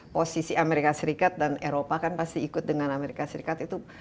posisi amerika serikat dan eropa kan pasti ikut dengan amerika serikat itu